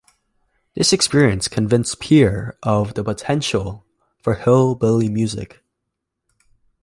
This experience convinced Peer of the potential for "hillbilly" music.